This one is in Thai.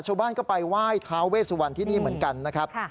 ชาวบ้านก็ไปไหว้ท้าเวสวันที่นี่เหมือนกันนะครับ